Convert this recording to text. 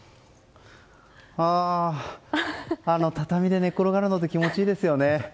ああ畳で寝転がるのって気持ちいいですよね。